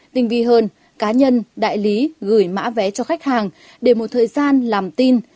tinh vi hơn cá nhân đại lý gửi mã vé cho khách hàng để một thời gian làm tin